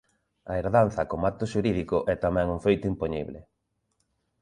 A herdanza como acto xurídico é tamén un feito impoñible.